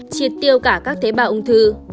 triệt tiêu cả các tế bào ung thư